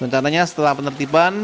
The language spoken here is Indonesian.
mencantangnya setelah penertiban